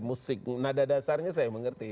musik nada dasarnya saya mengerti